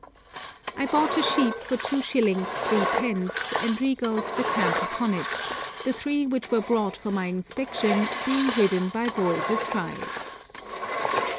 I bought a sheep for 2_s._ 3_d._, and regaled the camp upon it, the three which were brought for my inspection being ridden by boys astride.